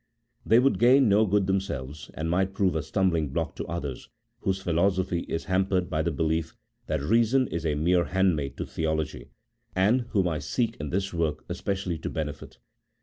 They would gain no good themselves, and might prove a stumbling block to others, whose philosophy is hampered by the belief that Eeason is a mere handmaid to Theology, and whom I seek in this work especially to benefit.